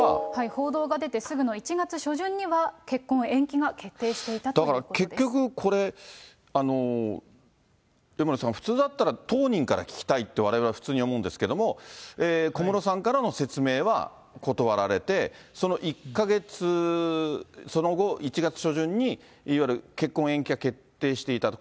報道が出てすぐの１月初旬には結婚延期が決定していたというだから結局これ、江森さん、普通だったら当人から聞きたいっていうふうにわれわれ、普通に思うんですけど、小室さんからの説明は断られて、その１か月、その後１月初旬にいわゆる結構延期が決定していたと。